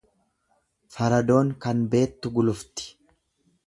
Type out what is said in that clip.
Faradoon kan beettu gulufti.